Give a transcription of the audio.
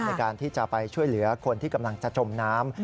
ในการที่จะไปช่วยเหลือคนที่กำลังจะจมน้ำ